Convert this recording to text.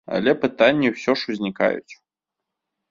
Але пытанні ўсё ж узнікаюць.